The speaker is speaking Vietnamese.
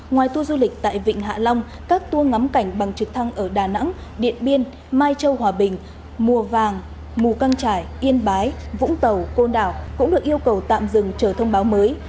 ngoài tour du lịch tại vịnh hạ long các tour ngắm cảnh bằng trực thăng ở đà nẵng điện biên mai châu hòa bình mùa vàng mù căng trải yên bái vũng tàu côn đảo cũng được yêu cầu tạm dừng chờ thông báo mới